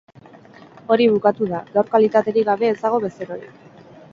Hori bukatu da, gaur kalitaterik gabe ez dago bezerorik.